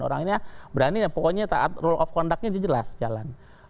orang ini berani pokoknya role of conductnya jelas jalan